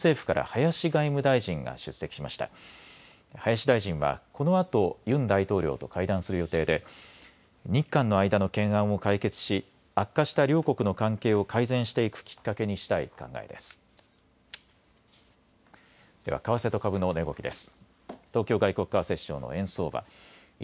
林大臣はこのあとユン大統領と会談する予定で日韓の間の懸案を解決し悪化した両国の関係を改善していくきっかけにしたい考えです。